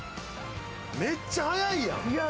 めっちゃ速いやん。